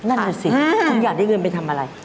นั่นน่ะสิคุณอยากได้เงินไปทำอะไร